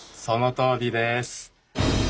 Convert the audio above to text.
そのとおりです。